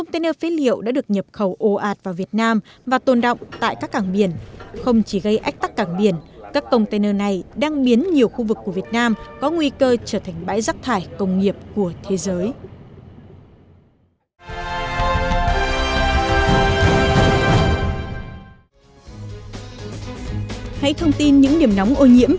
thì người ta đến đây người ta sẽ thấy là người ta có cộng đồng